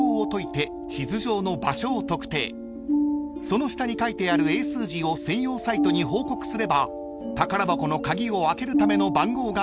［その下に書いてある英数字を専用サイトに報告すれば宝箱の鍵を開けるための番号が分かる仕組み］